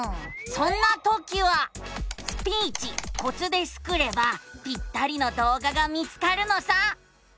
そんなときは「スピーチコツ」でスクればぴったりの動画が見つかるのさ。